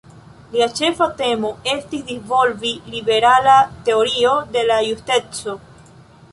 Lia ĉefa temo estis disvolvi liberala teorio de la justeco.